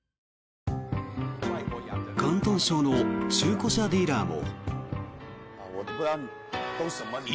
広東省の中古車ディーラーも。